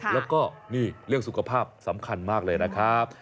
แล้วก็นี่เรื่องสุขภาพสำคัญมากเลยนะครับ